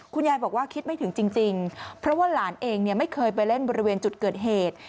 คุณยายบอกว่าคิดไม่ถึงจริงเพราะว่าหลานเองไม่เคยไปเล่นบริเวณจุดเกิดเหตุ